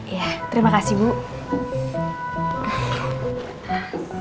eh tulee dan jangan lupa